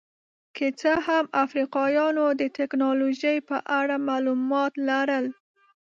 که څه هم افریقایانو د ټکنالوژۍ په اړه معلومات لرل.